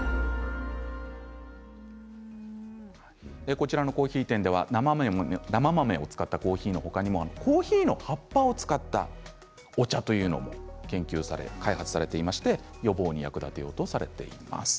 こちらのコーヒー店では生豆を使ったコーヒーの他にもコーヒーの葉っぱを使ったお茶というのも研究、開発されていまして予防に役立てようとされています。